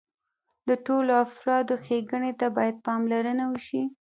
د ټولو افرادو ښېګڼې ته باید پاملرنه وشي.